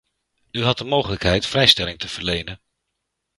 U had de mogelijkheid vrijstelling te verlenen.